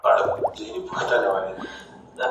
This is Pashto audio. زه مخکي کتاب ليکلی و!!